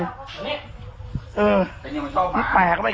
ิ้งใจอะไรดีมั้ย